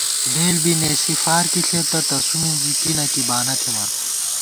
بېل بی نېسی فارکی ݪېتہ تسُو مِنزی کی نہ کی بانہ تھِمان